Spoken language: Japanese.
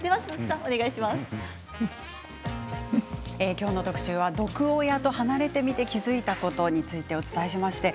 今日の特集は毒親と離れてみて気付いたことについてお伝えしました。